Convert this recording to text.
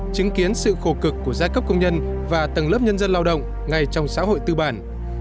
chứng kiến sự khổ cực của giai cấp công nhân và tầng lớp nhân dân lao động ngay trong xã hội tư bản